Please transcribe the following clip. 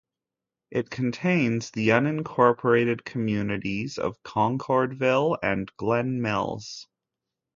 It contains the unincorporated communities of Concordville and Glen Mills.